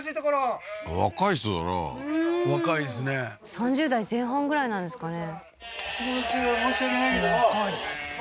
３０代前半ぐらいなんですかね